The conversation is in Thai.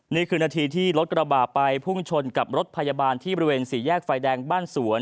นี่คือนาทีที่รถกระบาดไปพุ่งชนกับรถพยาบาลที่บริเวณสี่แยกไฟแดงบ้านสวน